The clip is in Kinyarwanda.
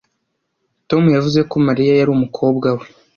Tom yavuze ko Mariya yari umukobwa we